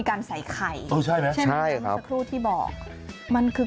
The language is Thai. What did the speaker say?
ข้างบัวแห่งสันยินดีต้อนรับทุกท่านนะครับ